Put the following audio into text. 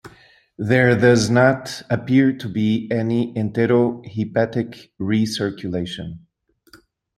There does not appear to be any entero-hepatic recirculation.